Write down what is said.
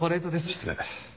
失礼。